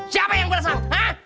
siapa yang beresan